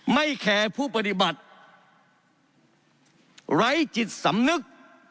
แคร์ผู้ปฏิบัติไร้จิตสำนึก